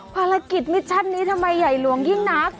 มิชชั่นนี้ทำไมใหญ่หลวงยิ่งนัก